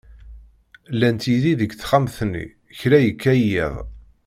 Llant yid-i deg texxamt-nni, kra yekka yiḍ.